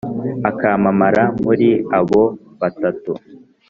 akamamara muri abo batatu